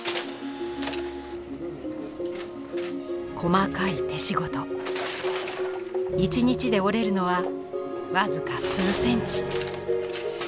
細かい手仕事一日で織れるのは僅か数センチ。